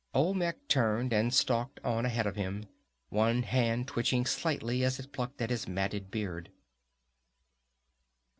Olmec turned and stalked on ahead of him, one hand twitching slightly as it plucked at his matted beard.